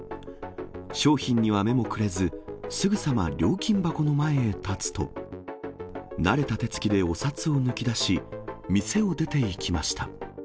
商品には目もくれず、すぐさま料金箱の前へ立つと、慣れた手つきでお札を抜き出し、店を出ていきました。